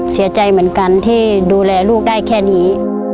เสียใจเหมือนกันที่ดูแลลูกได้แค่นี้